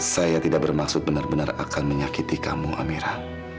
saya tidak bermaksud benar benar akan menyakiti kamu amera